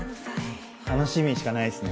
楽しみしかないっすね